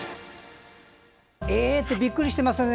え！ってびっくりしてましたね。